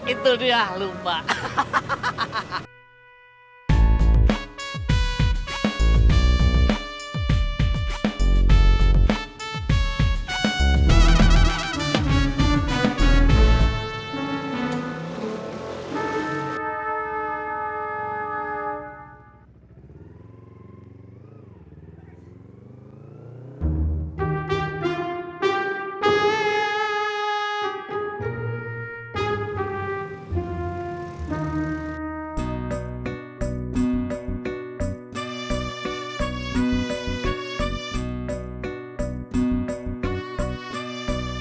es dawat joncem umut bikin seger